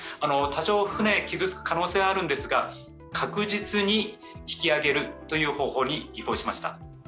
多少、船傷つく可能性はあるんですが確実に引き揚げる方法に移行しました。